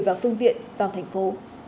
và phương tiện vào thành phố